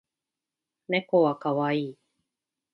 猫は可愛い